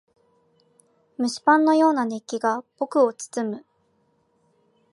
蒸しパンのような熱気が僕を包む。